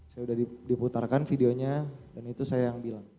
saya sudah diputarkan videonya dan itu saya yang bilang